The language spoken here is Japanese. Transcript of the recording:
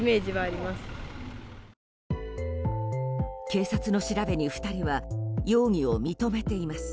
警察の調べに２人は容疑を認めています。